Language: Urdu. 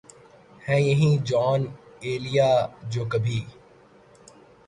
ہیں یہی جونؔ ایلیا جو کبھی